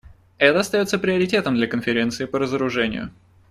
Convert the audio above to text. Это остается приоритетом для Конференции по разоружению.